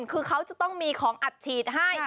คือเขาจะต้องมีของอัดฉีดให้